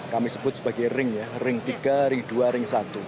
kami sebut sebagai ring ya ring tiga ring dua ring satu